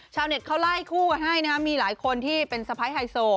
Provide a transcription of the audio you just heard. ชาวเน็ตเขาไล่คู่กันให้นะครับมีหลายคนที่เป็นสะพ้ายไฮโซ